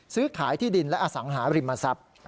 ซื้อขายที่ดินและอสังหาริมทรัพย์